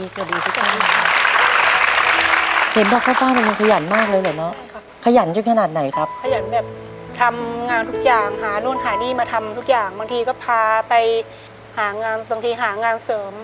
ก็จะช่วยกัน